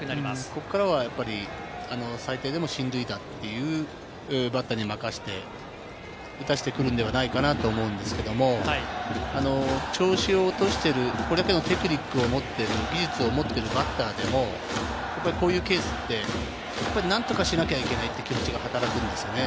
ここからはやっぱり最低でも進塁打というバッターに任せて、打たせてくるんではないかなと思うんですけれど、調子を落としている、それでもテクニックを持っているバッターでもこういうケースって何とかしなきゃいけないという気持ちが働くんですよね。